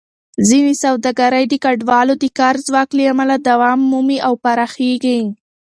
ځینې سوداګرۍ د کډوالو د کار ځواک له امله دوام مومي او پراخېږي.